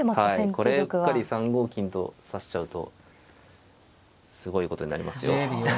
はいこれうっかり３五金と指しちゃうとすごいことになりますよ。